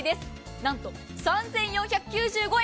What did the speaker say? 何と３４９５円。